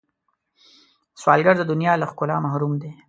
سوالګر د دنیا له ښکلا محروم دی